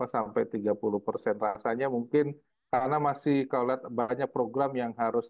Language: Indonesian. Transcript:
sampai tiga puluh persen rasanya mungkin karena masih kalau lihat banyak program yang harus